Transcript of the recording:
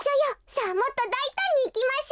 さあもっとだいたんにいきましょ！